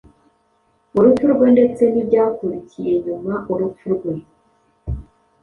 urupfu rwe ndetse n’ibyakurikiye nyuma urupfu rwe